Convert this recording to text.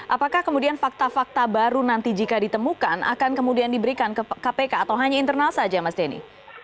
apakah kemudian fakta fakta baru nanti jika ditemukan akan kemudian diberikan ke kpk atau hanya internal saja mas denny